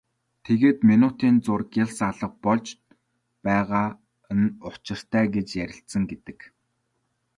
Тэгээд минутын зуур гялс алга болж байгаа нь учиртай гэж ярилцсан гэдэг.